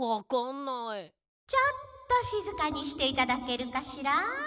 「ちょっとしずかにしていただけるかしら？」。